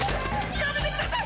やめてください！